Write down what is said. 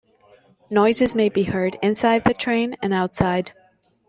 Noises may be heard inside the train and outside.